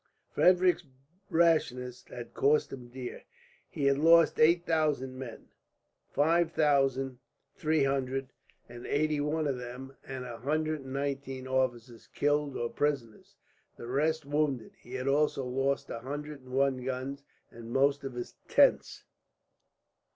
Frederick's rashness had cost him dear. He had lost eight thousand men; five thousand three hundred and eighty one of them, and a hundred and nineteen officers, killed or prisoners; the rest wounded. He had also lost a hundred and one guns, and most of his tents.